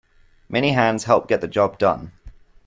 Many hands help get the job done.